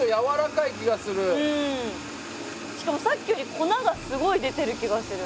しかもさっきより粉がすごい出てる気がする。